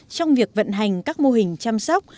trong việc vận hành các mô hình chăm sóc